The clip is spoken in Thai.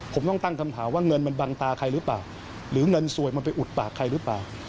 ผมต้องตั้งคำถามว่าเงินมันบังตาใครหรือเปล่าหรือเงินสวยมันไปอุดปากใครหรือเปล่า